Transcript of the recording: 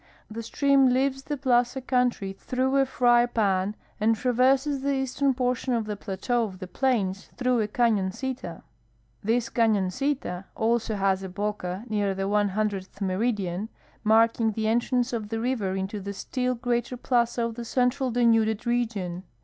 The stream leaves the ])laza country through a frv pan and traverses the eastern ])ortion of the plateau of the Plains through a canoncita. 'I'his canoncita also has a l)oca near tlie KJOth meridian, marking the entrance of the river into the still greater plaza of the Central Denuded region.